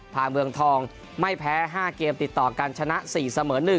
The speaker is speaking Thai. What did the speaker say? เมืองทองไม่แพ้๕เกมติดต่อกันชนะ๔เสมอ๑